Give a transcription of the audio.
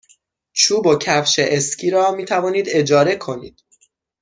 چوب و کفش اسکی را می توانید اجاره کنید.